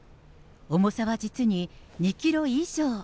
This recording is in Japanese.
重さは実に２キロ以上。